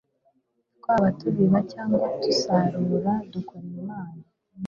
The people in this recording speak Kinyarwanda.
Twaba tubiba cyangwa dusarura, dukorera Imana.